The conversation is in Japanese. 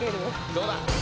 ・どうだ？